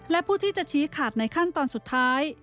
และผู้ที่จะชี้ขาดในขั้นตอนสุดท้าย